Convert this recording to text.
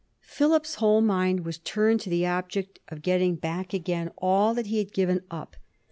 Philip's whole mind was turned to the object of getting back again all that he had given up.